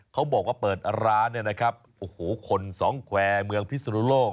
เขาบอกว่าเปิดร้านเนี่ยนะครับโอ้โหคนสองแควร์เมืองพิศนุโลก